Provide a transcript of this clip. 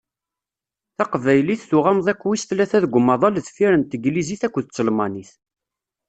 Taqbaylit, tuɣ amḍiq wis tlata deg umaḍal deffir n teglizit akked telmanit.